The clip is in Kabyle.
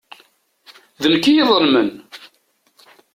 D nekk i iḍelmen.